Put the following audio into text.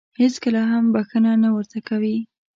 هېڅکله هم بښنه نه ورته کوي .